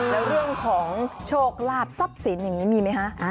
แล้วเรื่องของโชคลาภทรัพย์สินอย่างนี้มีไหมคะ